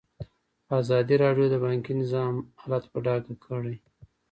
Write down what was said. ازادي راډیو د بانکي نظام حالت په ډاګه کړی.